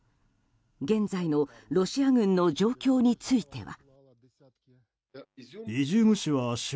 現在のロシア軍の状況については。